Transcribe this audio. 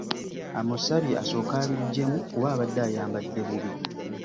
Amusabye asooke abiggyemu kuba abadde ayambadde bubi.